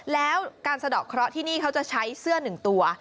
แล้วการสะดอกเคราะห์ที่นี่เขาจะใช้เสื้อหนึ่งตัว